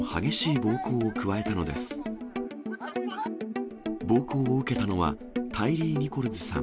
暴行を受けたのは、タイリー・ニコルズさん。